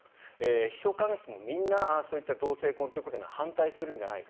秘書官室もみんな同性婚といったことには反対するんじゃないか